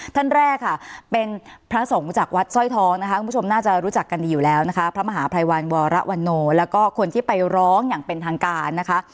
ท่านแรกค่ะเป็นพระสงฆ์จากวัดสร้อยทองนะคะคุณผู้ชมน่าจะรู้จักกันดีอยู่แล้วนะคะพระมหาภัยวันวรวันโนแล้วก็คนที่ไปร้องอย่างเป็นทางการนะคะ